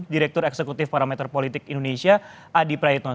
direktur eksekutif parameter politik indonesia adi praitno